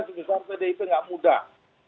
sebesar pdip gak mudah